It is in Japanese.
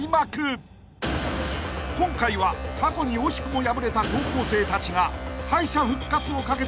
［今回は過去に惜しくも敗れた高校生たちが敗者復活をかけてリベンジ参戦］